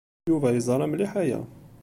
Yuba yeẓra mliḥ aya.